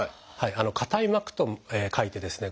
「硬い」「膜」と書いてですね